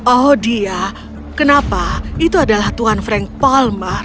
oh dia kenapa itu adalah tuhan frank palma